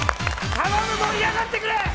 頼むぞ盛り上がってくれ。